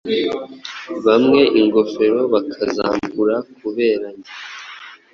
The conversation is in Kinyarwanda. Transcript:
Bamwe ingofero bakazambura kubera njye